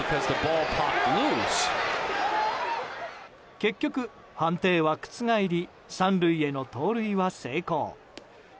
結局、判定は覆り３塁への盗塁は成功。